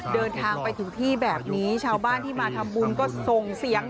เดินทางไปถึงที่แบบนี้ชาวบ้านที่มาทำบุญก็ส่งเสียง